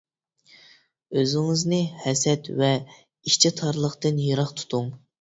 ئۆزىڭىزنى ھەسەت ۋە ئىچى تارلىقتىن يىراق تۇتۇڭ.